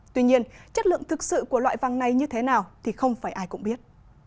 tuy nhiên chất lượng thực sự của loại vàng này như thế nào thì không phải ai cũng biết